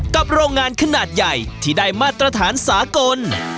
โรงงานขนาดใหญ่ที่ได้มาตรฐานสากล